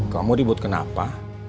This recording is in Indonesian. kamu dibut kenapa